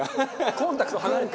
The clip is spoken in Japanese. コンタクト離れて。